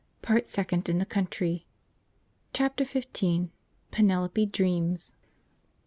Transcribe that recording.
Part Second In the country. Chapter XV. Penelope dreams.